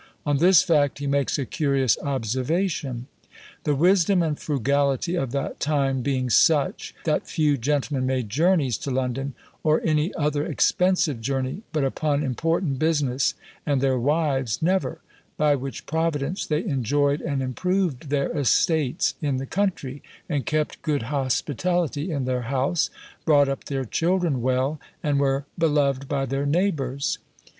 On this fact he makes a curious observation: "The wisdom and frugality of that time being such, that few gentlemen made journeys to London, or any other expensive journey, but upon important business, and their wives never; by which Providence they enjoyed and improved their estates in the country, and kept good hospitality in their house, brought up their children well, and were beloved by their neighbours."